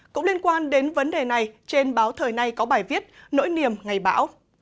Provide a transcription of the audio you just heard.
cũng liên quan đến vấn đề này trên báo thời nay có bài viết nỗi niềm ngày bão